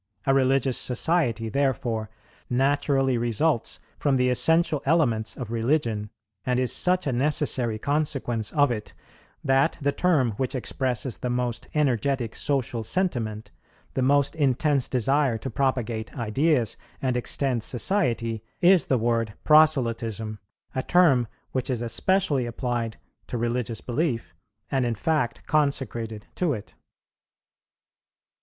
A religious society, therefore, naturally results from the essential elements of religion, and is such a necessary consequence of it that the term which expresses the most energetic social sentiment, the most intense desire to propagate ideas and extend society, is the word proselytism, a term which is especially applied to religious belief, and in fact consecrated to it.